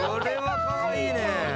これはかわいいね。